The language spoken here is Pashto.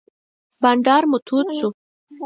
بانډار مو تود شو.